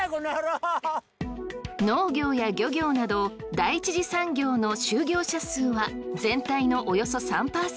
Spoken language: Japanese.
農業や漁業など第一次産業の就業者数は全体のおよそ３％。